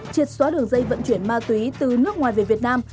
triệt xóa đường dây vận chuyển ma túy từ nước ngoài về việt nam